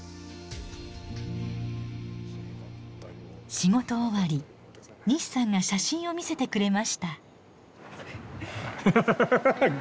仕事終わり西さんが写真を見せてくれました。